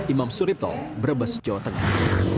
imam suripto brebes jawa tengah